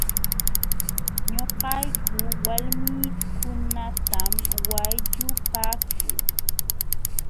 Ñuqayku walmiikunatam wayllupaaku.